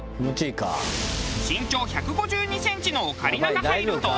身長１５２センチのオカリナが入ると。